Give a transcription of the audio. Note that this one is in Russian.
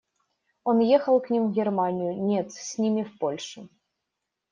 Он ехал к ним в Германию, нет, с ними в Польшу.